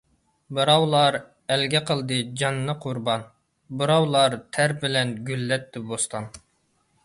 بىراۋلار ئەلگە قىلدى جاننى قۇربان، بىراۋلار تەر بىلەن گۈللەتتى بوستان.